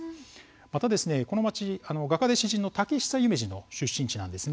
またこの町画家で詩人の竹久夢二の出身地なんです。